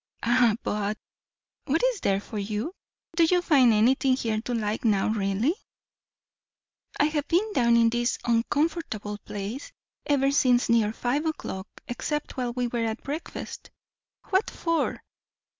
"Ah, but! What is there for you? Do you find anything here to like now, really?" "I have been down in this 'uncomfortable place' ever since near five o'clock except while we were at breakfast." "What for?"